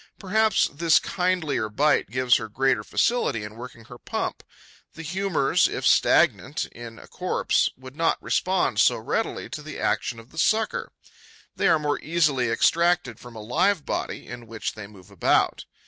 Perhaps this kindlier bite gives her greater facility in working her pump. The humours, if stagnant, in a corpse, would not respond so readily to the action of the sucker; they are more easily extracted from a live body, in which they move about.